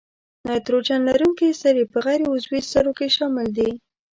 نایتروجن لرونکي سرې په غیر عضوي سرو کې شامل دي.